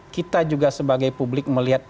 kita juga sebagai publik melihat